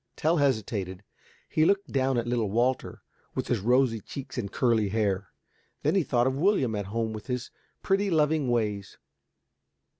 Tell hesitated. He looked down at little Walter with his rosy cheeks and curly hair. Then he thought of William at home with his pretty loving ways.